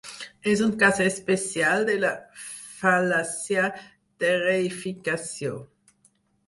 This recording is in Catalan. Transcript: És un cas especial de la fal·làcia de reïficació.